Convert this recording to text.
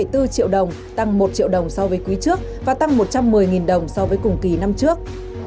tăng một triệu đồng so với quý trước và tăng một trăm một mươi đồng so với cùng kỳ năm trước